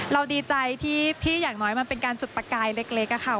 ดีใจที่อย่างน้อยมันเป็นการจุดประกายเล็กค่ะ